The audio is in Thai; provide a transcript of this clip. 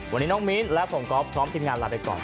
วันนี้น้องมิ้นและผมก๊อฟพร้อมทีมงานลาไปก่อน